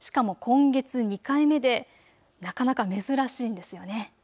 しかも今月２回目でなかなか珍しいですよね。